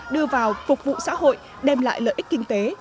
đưa vào phục vụ xã hội đem lại lợi ích kinh tế